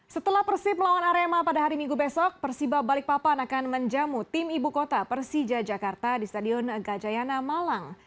setelah persib melawan arema pada hari minggu besok persiba balikpapan akan menjamu tim ibu kota persija jakarta di stadion gajayana malang